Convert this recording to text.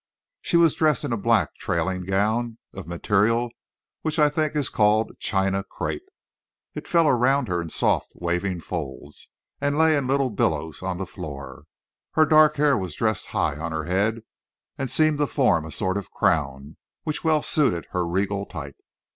She was dressed in a black, trailing gown of material which I think is called China crepe. It fell around her in soft waving folds and lay in little billows on the floor. Her dark hair was dressed high on her head, and seemed to form a sort of crown which well suited her regal type.